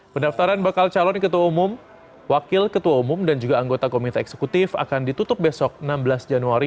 pendaftaran bakal calon ketua umum wakil ketua umum dan juga anggota komite eksekutif akan ditutup besok enam belas januari dua ribu dua puluh tiga pukul delapan belas waktu indonesia barat